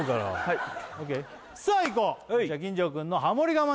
はいさあいこうじゃあ金城くんのハモリ我慢